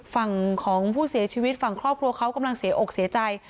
ฝั่งของผู้เสียชีวิตฝั่งครอบครัวเขากำลังเสียอกเสียใจ